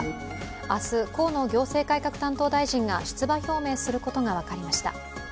明日、河野行政改革担当大臣が出馬表明することが分かりました。